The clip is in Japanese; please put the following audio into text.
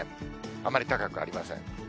あまり高くありません。